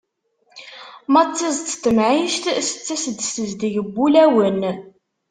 Ma d tiẓeḍt n temɛict tettas-d s tezdeg n wulawen.